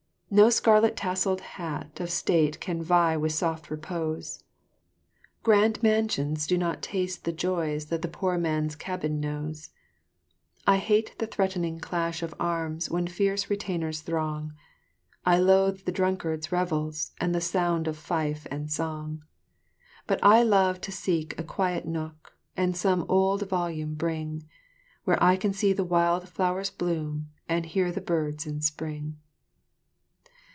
No scarlet tasselled hat of state can vie with soft repose; Grand mansions do not taste the joys that the poor man's cabin knows. I hate the threatening clash of arms when fierce retainers throng, I loathe the drunkard's revels and the sound of fife and song; But I love to seek a quiet nook, and some old volume bring, Where I can see the wild flowers bloom and hear the birds in spring."